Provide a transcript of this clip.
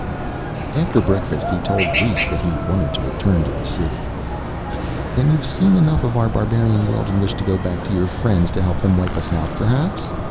After breakfast he told Rhes that he wanted to return to the city. "Then you have seen enough of our barbarian world, and wish to go back to your friends. To help them wipe us out perhaps?"